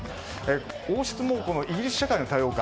王室もイギリス社会の多様化